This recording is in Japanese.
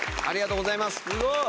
ありがとうございます。